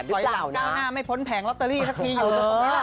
คอยหลังก้าวหน้าไม่พ้นแผงล็อตเตอรี่สักทีอยู่เลย